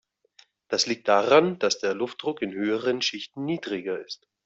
Das liegt daran, dass der Luftdruck in höheren Schichten niedriger ist.